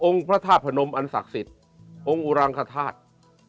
พระธาตุพนมอันศักดิ์สิทธิ์องค์อุรังคธาตุ